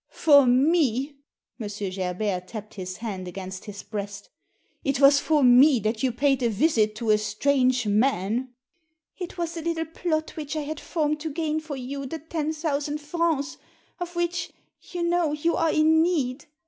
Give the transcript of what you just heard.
"For me?" M. Gerbert tapped his hand against his breast '' It was for me that you paid a visit to a strange man ?"" It was a little plot which I had formed to gain for you the ten thousand francs of which, you know, you are in need.